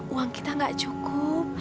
uang kita gak cukup